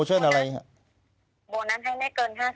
ยอดเชิญ๕เท่าค่ะอ๋อในเว็บนี้นะโอเคค่ะรับนะคะครับ